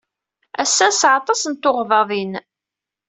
Ass-a nesɛa aṭas n tuɣdaḍin.